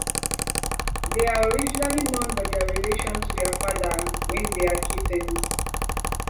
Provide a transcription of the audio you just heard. They are originally known by their relation to their father when they are kittens.